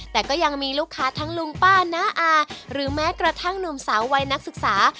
แต่ก็ยังมีลูกค้าทั้งลุงป้าน้าอาหรือแม้กระทั่งหนุ่มสาววัยนักศึกษา